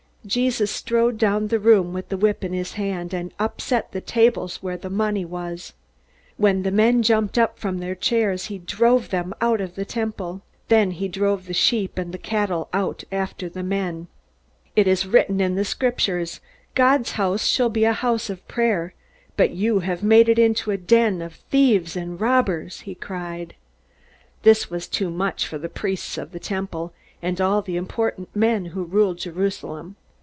Jesus strode down the room with the whip in his hand, and upset the tables where the money was. When the men jumped up from their chairs, he drove them out of the Temple. Then he drove the sheep and the cattle out after the men. "It is written in the Scriptures: God's house shall be a house of prayer. But you have made it into a den of thieves and robbers!" he cried. This was too much for the priests of the temple, and all the important men who ruled Jerusalem.